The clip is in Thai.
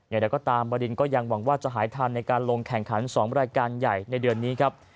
อย่างไรก็ตามบรินก็ยังหวังว่าจะหายทันในการลงแข่งขัน๒รายการใหญ่ในเดือนนี้ครับ